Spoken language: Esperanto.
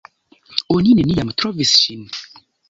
Oni neniam trovis ŝin.